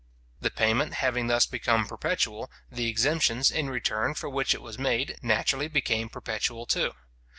The payment having thus become perpetual, the exemptions, in return, for which it was made, naturally became perpetual too.